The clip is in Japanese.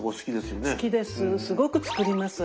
すごく作ります。